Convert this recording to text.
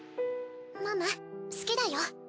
ママ好きだよ。